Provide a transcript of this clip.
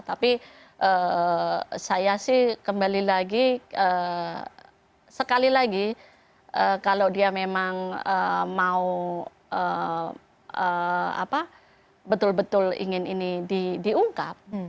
tapi saya sih kembali lagi sekali lagi kalau dia memang mau betul betul ingin ini diungkap